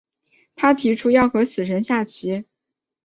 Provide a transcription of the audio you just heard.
他提出要和死神下棋。